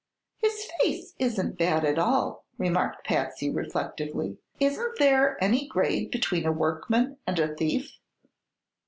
"His face isn't bad at all," remarked Patsy, reflectively. "Isn't there any grade between a workman and a thief?"